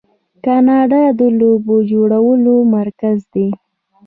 کاناډا د لوبو جوړولو مرکز دی.